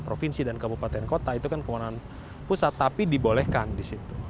provinsi dan kabupaten kota itu kan kewenangan pusat tapi dibolehkan di situ